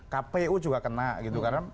kpu juga kena gitu